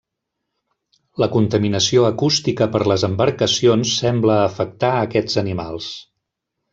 La contaminació acústica per les embarcacions sembla afectar aquests animals.